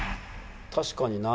「確かにな。